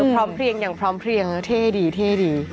พร้อมเพลียงอย่างพร้อมเพลียงเท่ดีเท่ดี